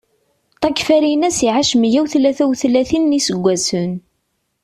Takfarinas iɛac meyya u tlata u tlatin n iseggasen.